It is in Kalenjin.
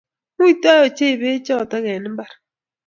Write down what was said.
Nguitoi ochei beeko choto eng imbar